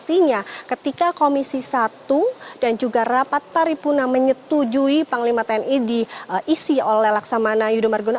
artinya ketika komisi satu dan juga rapat paripurna menyetujui panglima tni diisi oleh laksamana yudho margono